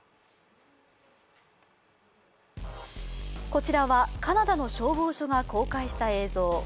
こちらはカナダの消防署が公開した映像。